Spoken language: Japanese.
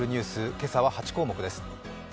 今朝は８項目です。